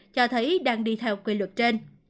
cho thấy đang đi theo quy luật trên